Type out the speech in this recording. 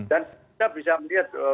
dan kita bisa melihat eh